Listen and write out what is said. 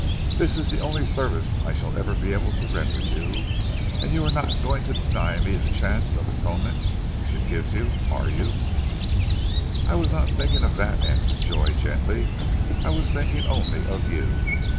This is the only service I shall ever be able to render you, and you are not going to deny me the chance of atonement which it gives, are you?" "I was not thinking of that!" answered Joy gently. "I was thinking only of you."